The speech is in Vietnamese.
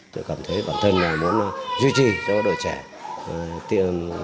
tôi cảm thấy bản thân này